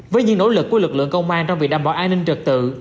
với những nỗ lực của lực lượng công an trong việc đảm bảo an ninh trật tự